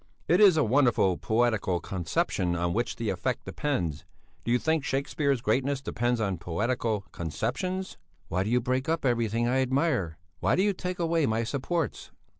It is a wonderful poetical conception on which the effect depends. Do you think Shakespeare's greatness depends on poetical conceptions?" "Why do you break up everything I admire? Why do you take away my supports?"